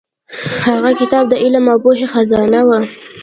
هغه کتاب د علم او پوهې خزانه وه.